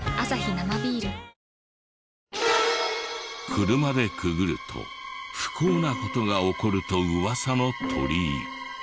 車でくぐると不幸な事が起こると噂の鳥居。